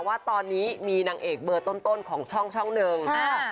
ว่าตอนนี้มีนางเอกเบอร์ต้นของช่องช่องหนึ่ง